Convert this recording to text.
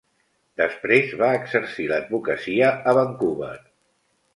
Després va exercir l'advocacia a Vancouver.